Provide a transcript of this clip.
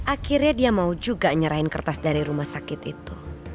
akhirnya dia mau juga nyerahin kertas dari rumah sakit itu